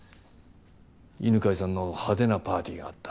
犬飼さんの派手なパーティーがあった。